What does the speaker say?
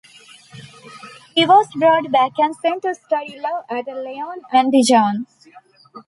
He was brought back and sent to study law at Lyon and Dijon.